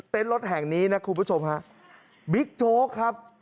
รถแห่งนี้นะคุณผู้ชมฮะบิ๊กโจ๊กครับ